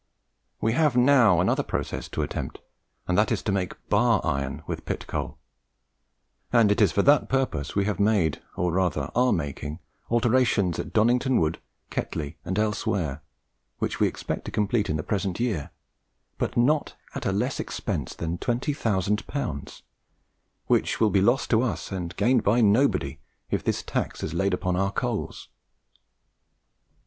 We have now another process to attempt, and that is to make BAR IRON with pit coal; and it is for that purpose we have made, or rather are making, alterations at Donnington Wood, Ketley, and elsewhere, which we expect to complete in the present year, but not at a less expense than twenty thousand pounds, which will be lost to us, and gained by nobody, if this tax is laid upon our coals."